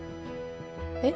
えっ？